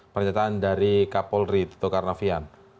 pernyataan dari kapolri tito karnavian